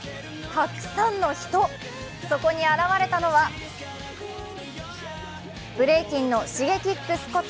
たくさんの人、そこに現れたのはブレイキンのＳｈｉｇｅｋｉｘこと